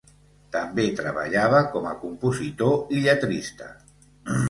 També treballava com a compositor i lletrista.